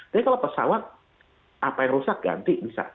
tapi kalau pesawat apa yang rusak ganti bisa